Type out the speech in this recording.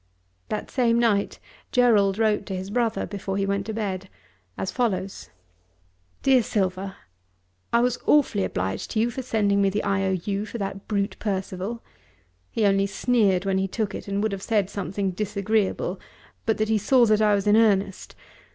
That same night Gerald wrote to his brother before he went to bed, as follows: DEAR SILVER, I was awfully obliged to you for sending me the I.O.U. for that brute Percival. He only sneered when he took it, and would have said something disagreeable, but that he saw that I was in earnest.